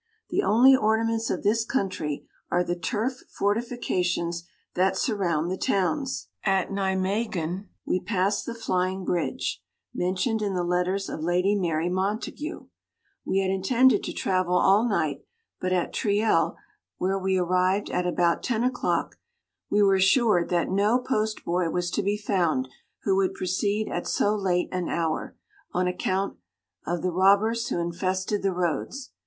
The only or naments of this country are the turf fortifications that surround the towns. At Nimeguen we passed the flying 75 bridge, mentioned in the letters of Lady Mary Montague. We had in tended to travel all night, but at Triel, where we arrived at about ten o'clock, we were assured that no post boy was to be found who would proceed at so late an hour, on account of the robbers who infested the roads.